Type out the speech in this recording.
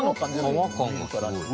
革感がすごい。